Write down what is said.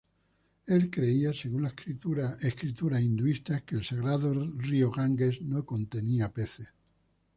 Él creía —según las escrituras hinduistas— que el sagrado río Ganges no contiene peces.